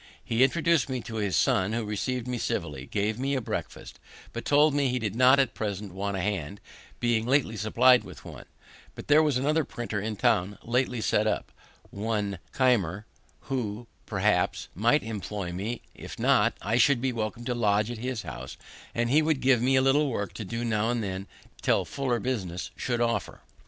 He introduc'd me to his son, who receiv'd me civilly, gave me a breakfast, but told me he did not at present want a hand, being lately suppli'd with one; but there was another printer in town, lately set up, one Keimer, who, perhaps, might employ me; if not, I should be welcome to lodge at his house, and he would give me a little work to do now and then till fuller business should offer.